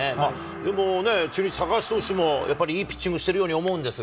でもね、中日、高橋投手もやっぱりいいピッチングしているように思うんですが。